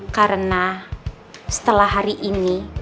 karena setelah hari ini